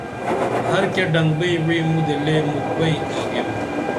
ہر کیہ ڈنگبئیں وعی مُدے لے مُکھ بئیں آگیم